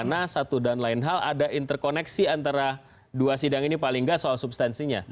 karena satu dan lain hal ada interkoneksi antara dua sidang ini paling tidak soal substansinya